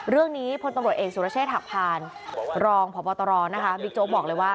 เรื่องนี้พลตรวจเองสุรเชษฐักษ์ผ่านรองพตรบิ๊กโจ๊กบอกเลยว่า